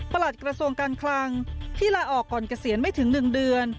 หลัดกระทรวงการคลังที่ลาออกก่อนเกษียณไม่ถึง๑เดือน